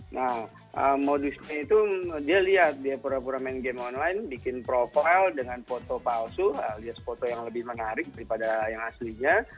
nah modusnya itu dia lihat dia pura pura main game online bikin profile dengan foto palsu alias foto yang lebih menarik daripada yang aslinya